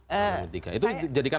politika itu jadikan